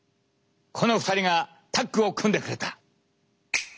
この２人がタッグを組んでくれた。